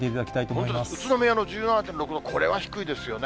本当です、宇都宮の１７．６度、これは低いですよね。